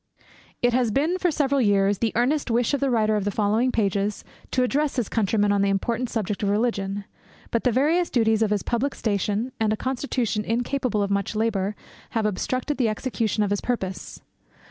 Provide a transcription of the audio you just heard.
It has been, for several years, the earnest wish of the writer of the following pages to address his countrymen on the important subject of Religion; but the various duties of his public station, and a constitution incapable of much labour, have obstructed the execution of his purpose.